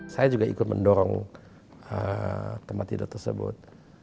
saya juga ikut mendorong tempat tidur tersebut